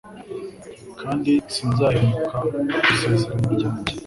kandi sinzahemuka ku Isezerano ryanjye